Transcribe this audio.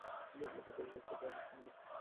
উনি আপনার হোটেলে যাচ্ছেন আর তাই আপনার শোনা দরকার।